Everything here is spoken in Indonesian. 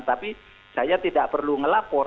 tapi saya tidak perlu ngelapor